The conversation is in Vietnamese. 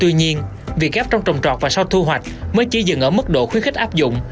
tuy nhiên việc ghép trong trồng trọt và sau thu hoạch mới chỉ dừng ở mức độ khuyến khích áp dụng